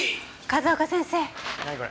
風丘先生が。